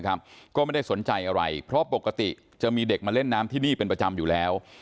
ก็ไม่ได้สนใจอะไรเพราะปกติจะมีเด็กมาเล่นน้ำที่นี่เป็นประจำอยู่แล้ว